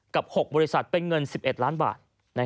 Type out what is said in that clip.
กับ๖บริษัทเป็นเงิน๑๑ล้านบาท